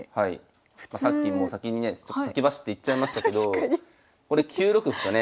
さっきもう先にね先走って言っちゃいましたけどこれ９六歩とね。